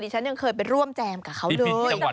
ฉันยังเคยไปร่วมแจมกับเขาเลย